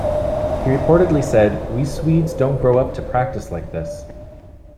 He reportedly said, We Swedes don't' grow up to practice like this.